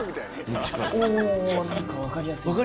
何か分かりやすい。